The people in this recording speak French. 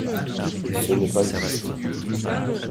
Ce n’est pas juste.